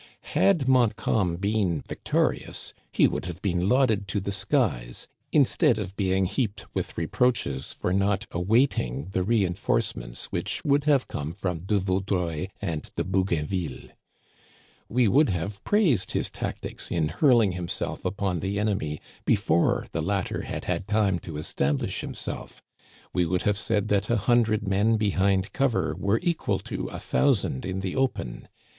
Had Montcalm been vic torious he would have been lauded to the skies, instead of being heaped with reproaches for not awaiting the re enforcements which would have come from De Vau dreuil and De Bougainville. We would have praised his tactics in hurling himself upon the enemy before the latter had had time to establish himself. We would have said that a hundred men behind cover were equal to a thousand in the open.